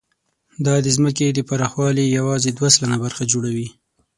دا د ځمکې د پراخوالي یواځې دوه سلنه برخه جوړوي.